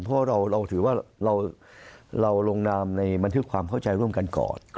เพราะเราถือว่าเราลงนามในบันทึกความเข้าใจร่วมกันก่อน